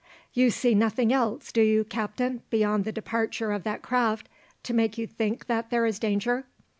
"You see nothing else, do you, captain, beyond the departure of that craft, to make you think that there is danger?"